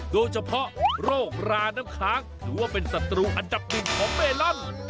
โดยเฉพาะโรคราน้ำค้างถือว่าเป็นศัตรูอันดับหนึ่งของเมลอน